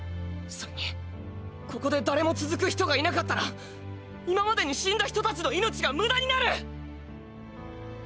それにここで誰も続く人がいなかったら今までに死んだ人たちの命が無駄になる！